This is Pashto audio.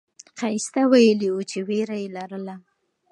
ښایسته ویلي وو چې ویره یې لرله.